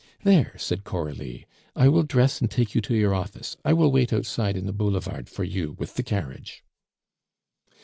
"There!" said Coralie, "I will dress and take you to your office. I will wait outside in the boulevard for you with the carriage."